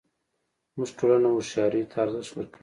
زموږ ټولنه هوښیارۍ ته ارزښت ورکوي